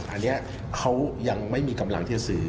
อันนี้เขายังไม่มีกำลังที่จะซื้อ